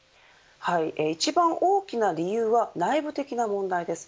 一番大きな理由は内部的な問題です。